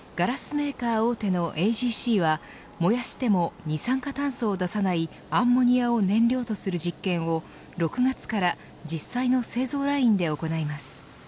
メーカー大手のＡＧＣは燃やしても二酸化炭素を出さないアンモニアを燃料とする実験を６月から実際の製造ラインで行います。